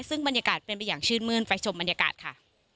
ซึ่งบรรยากาศเป็นไปอย่างชื่นมื้นไปชมบรรยากาศค่ะ